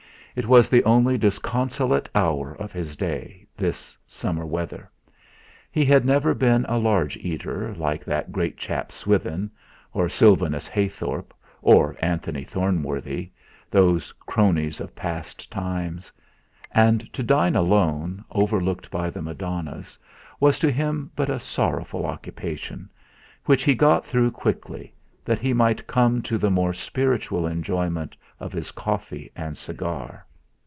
It was the only disconsolate hour of his day, this summer weather. He had never been a large eater, like that great chap Swithin, or Sylvanus Heythorp, or Anthony Thornworthy, those cronies of past times; and to dine alone, overlooked by the Madonnas, was to him but a sorrowful occupation, which he got through quickly, that he might come to the more spiritual enjoyment of his coffee and cigar.